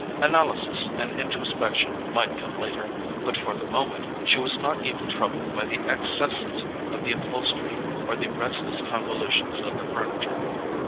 Analysis and introspection might come later; but for the moment she was not even troubled by the excesses of the upholstery or the restless convolutions of the furniture.